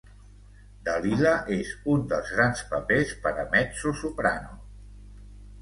Dalila és un dels grans papers per a mezzosoprano.